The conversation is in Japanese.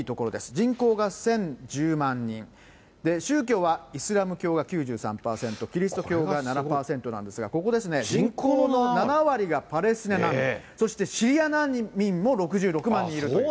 人口が１０１０万人、宗教はイスラム教が９３％、キリスト教が７％なんですが、ここですね、人口の７割がパレスチナ難民、そしてシリア難民も６６万人いるという。